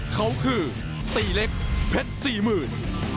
เขาคือตีเล็กเพชรสี่หมื่น